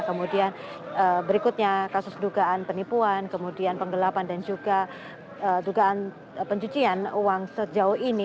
kemudian berikutnya kasus dugaan penipuan kemudian penggelapan dan juga dugaan pencucian uang sejauh ini